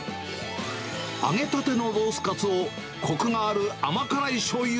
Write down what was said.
揚げたてのロースカツを、こくがある甘辛いしょうゆ